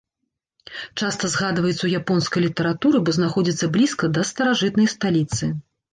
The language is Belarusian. Часта згадваецца ў японскай літаратуры, бо знаходзіцца блізка да старажытнай сталіцы.